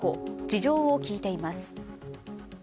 事情を聴いています。